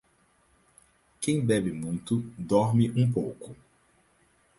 Quem bebe muito, dorme um pouco.